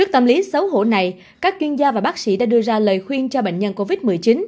tâm lý xấu hổ này các chuyên gia và bác sĩ đã đưa ra lời khuyên cho bệnh nhân covid một mươi chín